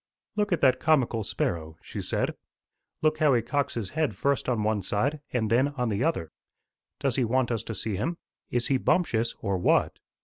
"Look at that comical sparrow," she said. "Look how he cocks his head first on one side and then on the other. Does he want us to see him? Is he bumptious, or what?"